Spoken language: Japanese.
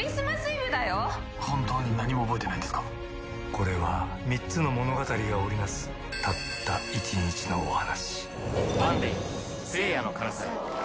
・「これは３つの物語が織り成すたった１日のお話」